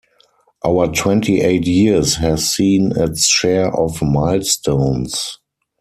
Our twenty-eight years has seen its share of milestones.